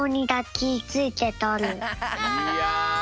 いや！